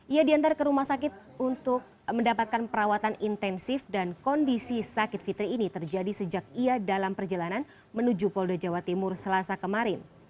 ia diantar ke rumah sakit untuk mendapatkan perawatan intensif dan kondisi sakit fitri ini terjadi sejak ia dalam perjalanan menuju polda jawa timur selasa kemarin